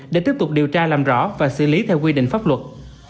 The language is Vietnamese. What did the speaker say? để tiếp tục điều tra làm rõ và xử lý theo quy định pháp luật